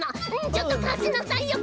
ちょっと貸しなさいよ